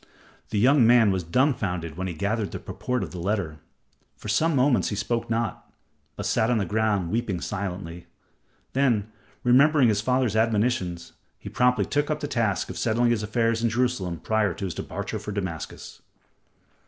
The young man was dumbfounded when he gathered the purport of the letter. For some moments he spoke not, but sat on the ground, weeping silently. Then, remembering his father's admonitions, he promptly took up the task of settling his affairs in Jerusalem prior to his departure for Damascus.